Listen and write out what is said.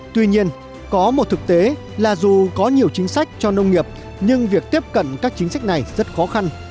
tuy nhiên có một thực tế là dù có nhiều chính sách cho nông nghiệp nhưng việc tiếp cận các chính sách này rất khó khăn